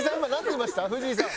「藤井さん